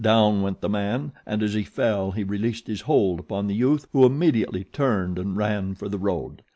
Down went the man and as he fell he released his hold upon the youth who immediately turned and ran for the road.